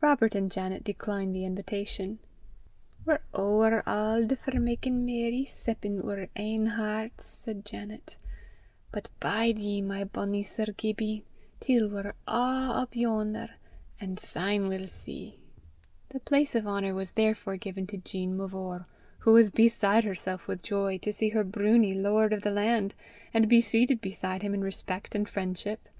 Robert and Janet declined the invitation. "We're ower auld for makin' merry 'cep in oor ain herts," said Janet. "But bide ye, my bonnie Sir Gibbie, till we're a' up yon'er, an' syne we'll see." The place of honour was therefore given to Jean Mavor, who was beside herself with joy to see her broonie lord of the land, and be seated beside him in respect and friendship.